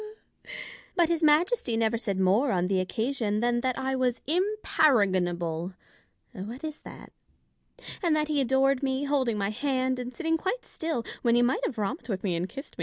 But His Majesty never said more on the occasion than that I was imparagonahle ! (what is that ?) and that he adored me ; holding my hand and sitting quite still, when he might have romped with me and kissed me.